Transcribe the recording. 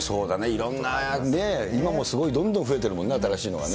いろんなね、今もすごいどんどん増えてるもんね、新しいのがね。